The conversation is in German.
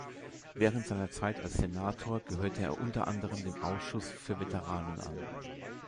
Während seiner Zeit als Senator gehörte er unter anderem dem Ausschuss für Veteranen an.